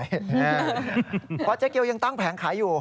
เพราะเจ๊เกียวยังตั้งแผงขายอยู่